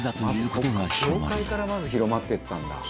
「業界からまず広まっていったんだ」